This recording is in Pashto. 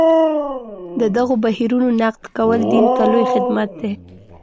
د دغو بهیرونو نقد کول دین ته لوی خدمت دی.